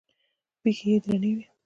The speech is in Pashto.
پښې يې درنې وې.